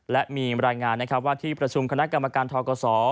และมีรายงานนะครับว่าที่ประชุมคณะกรรมการทกศ